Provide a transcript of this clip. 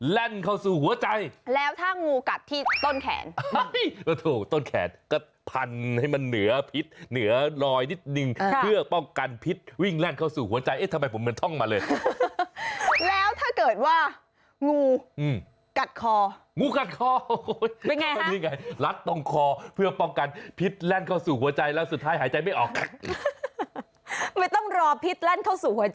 เข้าสู่หัวใจแล้วถ้างูกัดที่ต้นแขนถูกต้นแขนก็พันให้มันเหนือพิษเหนือลอยนิดนึงเพื่อป้องกันพิษวิ่งแล่นเข้าสู่หัวใจเอ๊ะทำไมผมเหมือนท่องมาเลยแล้วถ้าเกิดว่างูกัดคองูกัดคอเป็นไงรัดตรงคอเพื่อป้องกันพิษแล่นเข้าสู่หัวใจแล้วสุดท้ายหายใจไม่ออกไม่ต้องรอพิษแล่นเข้าสู่หัวใจ